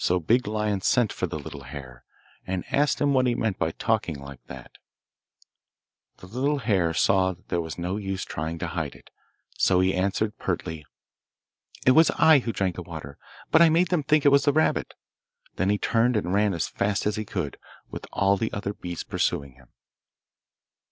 So Big Lion sent for the little hare, and asked him what he meant by talking like that. The little hare saw that there was no use trying to hide it, so he answered pertly, 'It was I who drank the water, but I made them think it was the rabbit.' Then he turned and ran as fast as he could, with all the other beasts pursuing him.